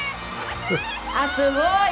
あっすごい！